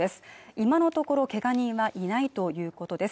今のところけが人はいないということです